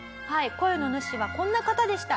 声の主はこんな方でした。